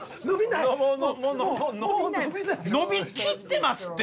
伸びきってますって。